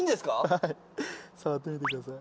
はい触ってみてください。